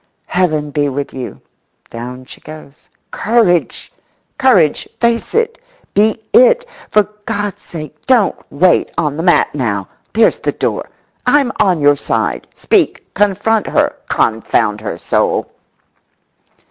Heaven be with you! Down she goes. Courage, courage! Face it, be it! For God's sake don't wait on the mat now! There's the door! I'm on your side. Speak! Confront her, confound her soul!